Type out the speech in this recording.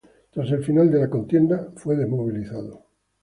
Tras el final de la contienda fue desmovilizado.